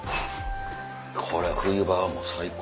これ冬場はもう最高。